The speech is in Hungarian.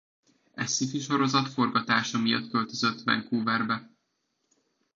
E sci-fi sorozat forgatása miatt költözött Vancouverbe.